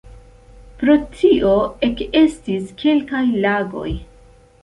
Pro tio ekestis kelkaj lagoj.